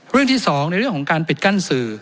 ที่๒ในเรื่องของการปิดกั้นสื่อ